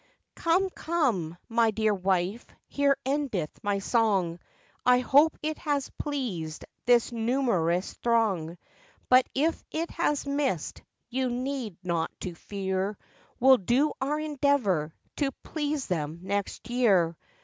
'Come, come, my dear wife, here endeth my song, I hope it has pleased this numerous throng; But if it has missed, you need not to fear, We'll do our endeavour to please them next year.